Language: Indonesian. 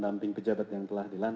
dan semoga beruntungwett